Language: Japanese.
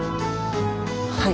はい。